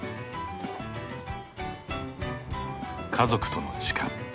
家族との時間。